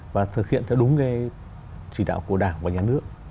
và thực hiện theo đúng cái chỉ đạo của đảng và nhà nước